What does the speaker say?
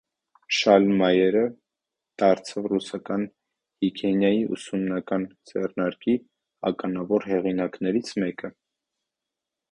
Շալմայերը դարձավ ռասայական հիգիենայի ուսումնական ձեռնարկի ականավոր հեղինակներից մեկը։